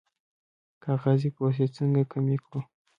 کاغذي پروسې څنګه کمې کړو؟